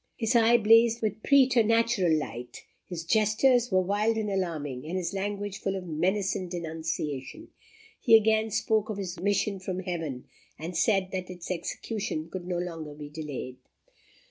His eye blazed with preternatural light, his gestures were wild and alarming, and his language full of menace and denunciation. He again spoke of his mission from Heaven, and said that its execution could no longer be delayed."